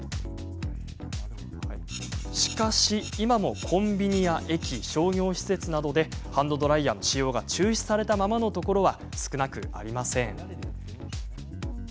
しかし、今もコンビニや駅商業施設などでハンドドライヤーの使用が中止されたままのところは少なくありません。